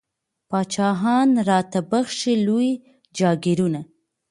پاچاهان را ته بخښي لوی جاګیرونه